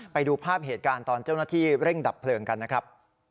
ไปดูภาพเหตุการณ์ตอนเจ้าหน้าที่เร่งดับเพลิงกันนะครับ